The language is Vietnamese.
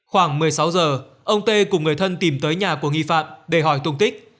khoảng một mươi sáu giờ ông tê cùng người thân tìm tới nhà của nghi phạm để hỏi tùng tích